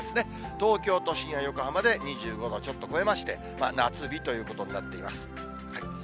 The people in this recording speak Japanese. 東京都心や横浜で２５度ちょっと超えまして、夏日ということになっています。